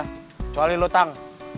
kecuali lu tang